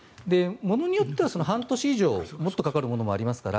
物によっては半年以上もっとかかるものもありますから。